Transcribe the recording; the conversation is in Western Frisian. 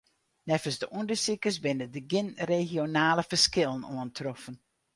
Neffens de ûndersikers binne der gjin regionale ferskillen oantroffen.